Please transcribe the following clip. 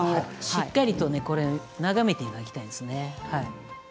しっかりと眺めていただきたいんですね。